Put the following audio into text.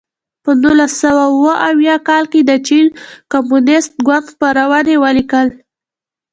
په نولس سوه اووه اویا کال کې د چین کمونېست ګوند خپرونې ولیکل.